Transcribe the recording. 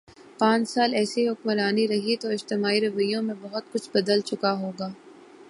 پانچ سال ایسی حکمرانی رہی تو اجتماعی رویوں میں بہت کچھ بدل چکا ہو گا۔